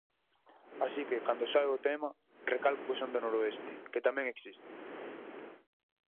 Así que cando sae o tema, recalco que son do noroeste, que tamén existe!